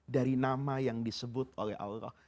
dari nama yang disebut oleh allah